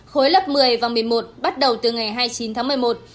khối lớp một mươi và một mươi một bắt đầu từ ngày hai mươi chín tháng một mươi một